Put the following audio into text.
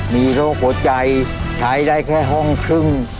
มีโรคหัวใจใช้ได้แค่ห้องครึ่ง